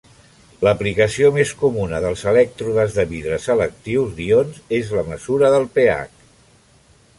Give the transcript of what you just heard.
L'aplicació més comuna dels elèctrodes de vidre selectius d'ions és la mesura del pH.